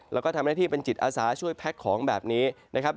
แล้วก็ทำหน้าที่เป็นจิตอาสาช่วยแพ็คของแบบนี้นะครับ